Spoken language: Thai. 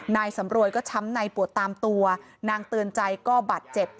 นายสำรวยก็ช้ำในปวดตามตัวนางเตือนใจก็บาดเจ็บ